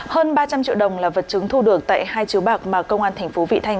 hơn ba trăm linh triệu đồng là vật chứng thu được tại hai chiếu bạc mà công an thành phố vị thanh